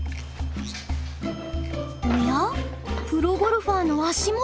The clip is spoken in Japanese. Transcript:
おやプロゴルファーの足元！